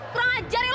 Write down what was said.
kurang ajar ya lo